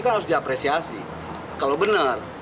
kan harus diapresiasi kalau benar